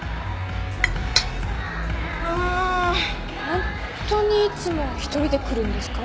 ホントにいつも１人で来るんですか？